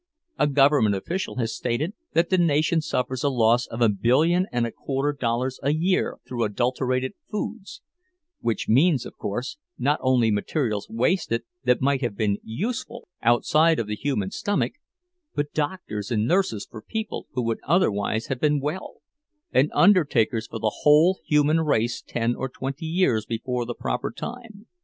A government official has stated that the nation suffers a loss of a billion and a quarter dollars a year through adulterated foods; which means, of course, not only materials wasted that might have been useful outside of the human stomach, but doctors and nurses for people who would otherwise have been well, and undertakers for the whole human race ten or twenty years before the proper time.